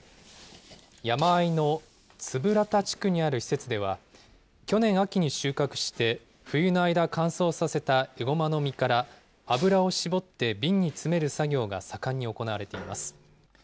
山あいの円良田地区にある施設では、去年秋に収穫して、冬の間、乾燥させたエゴマの実から油を搾って瓶に詰める作業が盛んに行われています。